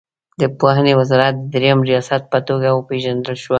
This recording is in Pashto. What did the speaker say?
د پوهنې وزارت د دریم ریاست په توګه وپېژندل شوه.